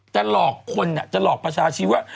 หลอกคนจะหลอกประชาชีว่า